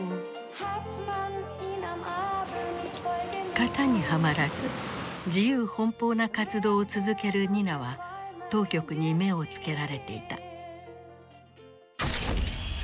型にはまらず自由奔放な活動を続けるニナは当局に目を付けられていた。